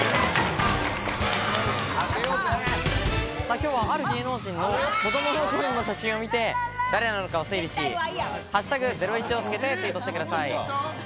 今日はある芸能人の子供の頃の写真を見て誰なのかを推理し「＃ゼロイチ」をつけてツイートしてください。